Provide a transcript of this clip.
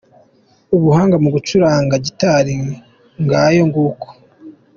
Ubuhanga mu gucuranga gitari, ngayo nguko.